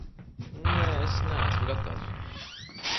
Nē, es neesmu gatavs.